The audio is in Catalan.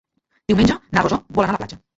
Diumenge na Rosó vol anar a la platja.